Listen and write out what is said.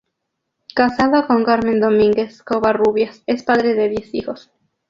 Casado con Carmen Domínguez Covarrubias, es padre de diez hijos.